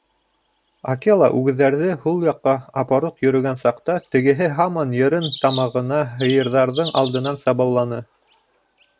Акела үгеҙҙәрҙе һул яҡҡа апаруҡ һөргән саҡта тегеһе һаман йырын тамағына һыйырҙарҙың алдынан сабауланы.